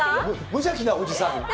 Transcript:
無邪気なおじさん。